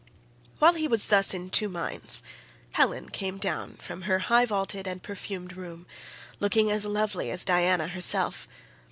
While he was thus in two minds Helen came down from her high vaulted and perfumed room, looking as lovely as Diana herself.